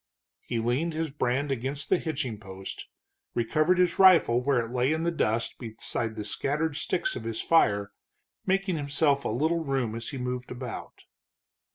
He leaned his brand against the hitching post, recovered his rifle where it lay in the dust beside the scattered sticks of his fire, making himself a little room as he moved about.